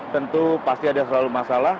tentu pasti ada selalu masalah